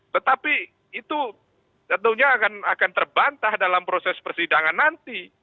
tetapi itu tentunya akan terbantah dalam proses persidangan nanti